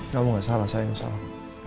kamu gak salah sayang salah